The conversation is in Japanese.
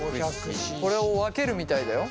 これを分けるみたいだよ。